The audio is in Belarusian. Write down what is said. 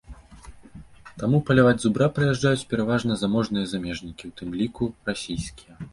Таму паляваць зубра прыязджаюць пераважна заможныя замежнікі, у тым ліку расійскія.